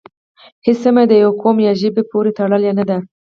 هیڅ سیمه د یوه قوم یا ژبې پورې تړلې نه ده